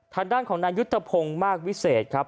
ทางด้านของนายุทธพงศ์มากวิเศษครับ